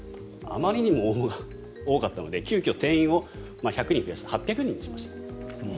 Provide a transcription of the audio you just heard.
あまりにも応募が多かったので急きょ、定員を１００人増やして８００人にしました。